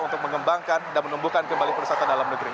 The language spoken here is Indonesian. untuk mengembangkan dan menumbuhkan kembali perusahaan dalam negeri